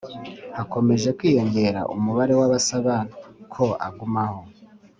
Hakomeje kwiyongera umubare w’abasaba ko agumaho